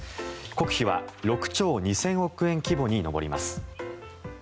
国費は６兆２０００億円規模に上ります。